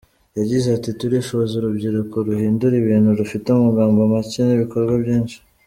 Yagize ati “Turifuza urubyiruko ruhindura ibintu rufite amagambo make n’ibikorwa byinshi.